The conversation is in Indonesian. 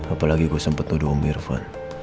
apalagi gue sempet nuduh om irvan